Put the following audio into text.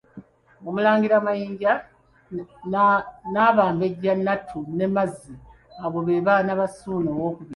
Omulangira Mayinja n'abambejja Nattu ne Mazzi, abo baana ba Ssuuna II.